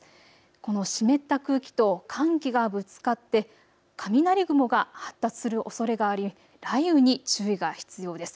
この湿った空気と寒気がぶつかって雷雲が発達するおそれがあり、雷雨に注意が必要です。